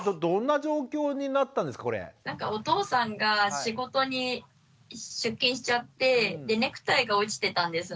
お父さんが仕事に出勤しちゃってネクタイが落ちてたんですね。